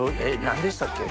何でしたっけ？